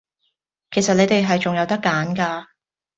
其實你哋係仲有得揀㗎